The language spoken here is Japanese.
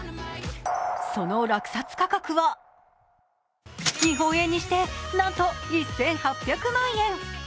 その落札価格は日本円にしてなんと１８００万円。